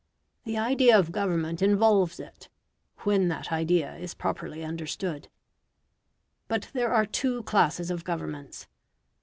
The idea of government involves it when that idea is properly understood. But there are two classes of Governments.